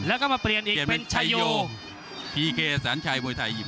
แล้วก็มาเปลี่ยนอีกเป็นชัยโยพีเคแสนชัยมวยไทยยิป